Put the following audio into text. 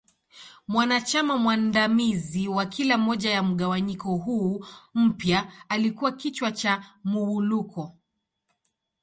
Mwanachama mwandamizi wa kila moja ya mgawanyiko huu mpya alikua kichwa cha Muwuluko.